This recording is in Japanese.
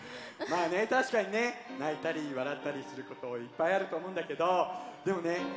まあねたしかにねないたりわらったりすることいっぱいあるとおもうんだけどでもね